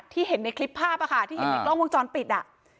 เห็นในคลิปภาพที่เห็นในกล้องวงจรปิดอ่ะ